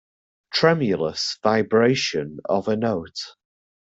Tremulous vibration of a note.